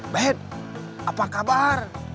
ben apa kabar